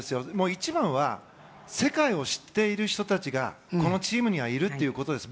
一番は世界を知っている人たちがこのチームにはいるということです。